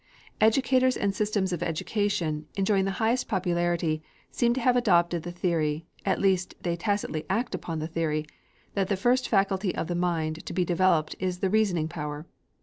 Educators and systems of education, enjoying the highest popularity, seem to have adopted the theory, at least they tacitly act upon the theory, that the first faculty of the mind to be developed is the Reasoning power.